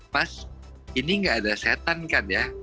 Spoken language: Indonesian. mas ini nggak ada setan kan ya